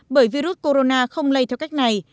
bởi virus corona không lây theo cách này